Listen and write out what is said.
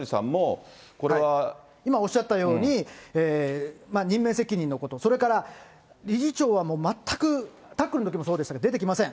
今おっしゃったように、任命責任のこと、それから理事長はもう全く、タックルのときもそうでしたけど、出てきません。